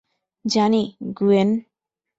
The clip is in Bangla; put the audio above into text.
জানি, গুয়েন।